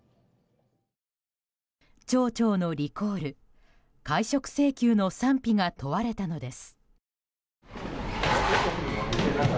町長のリコール、解職請求の賛否が問われたのです。